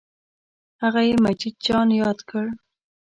هغه یې مجید جان یاد کړ.